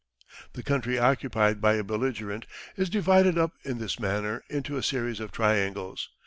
The country occupied by a belligerent is divided up in this manner into a series of triangles.